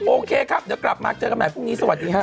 โอเคครับเดี๋ยวกลับมาเจอกันใหม่พรุ่งนี้สวัสดีฮะ